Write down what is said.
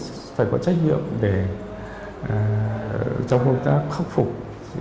tôi sẽ phải có trách nhiệm để trong công tác khắc phục